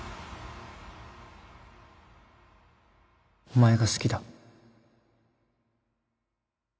お前が好きだ